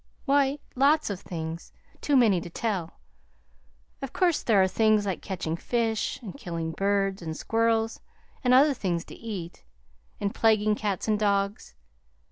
"Why, lots of things too many to tell. Of course there are things like catching fish, and killing birds and squirrels and other things to eat, and plaguing cats and dogs.